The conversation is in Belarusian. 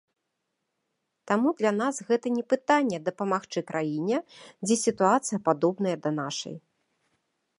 Таму для нас гэта не пытанне дапамагчы краіне, дзе сітуацыя падобная да нашай.